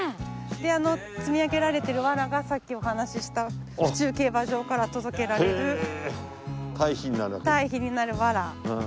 であの積み上げられてる藁がさっきお話しした府中競馬場から届けられる堆肥になる藁。